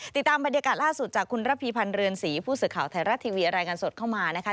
ติดตามบรรยากาศล่าสุดจากคุณระพีพันธ์เรือนศรีผู้สื่อข่าวไทยรัฐทีวีรายงานสดเข้ามานะคะ